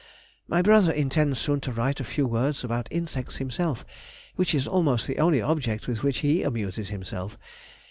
My brother intends soon to write a few words about insects himself, which is almost the only object with which he amuses himself.